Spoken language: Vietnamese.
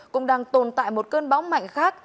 cũng đang tồn tại một cơn bão mạnh khác